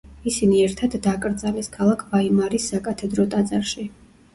ისინი ერთად დაკრძალეს, ქალაქ ვაიმარის საკათედრო ტაძარში.